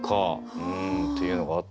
うんっていうのがあったんで。